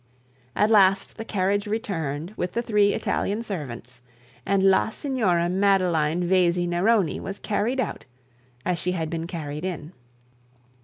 At last the carriage returned with the three Italian servants, and la Signora Madeline Vesey Neroni was carried out, as she had been carried in.